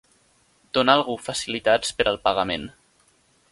Donar a algú facilitats per al pagament.